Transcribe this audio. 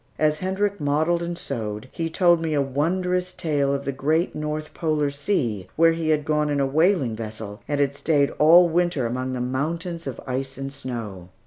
As Hendrik modelled and sewed, he told me a wondrous tale of the great North Polar Sea, where he had gone in a whaling vessel, and had stayed all winter among mountains of ice and snow.